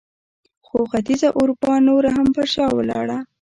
خو ختیځه اروپا نوره هم پر شا ولاړه.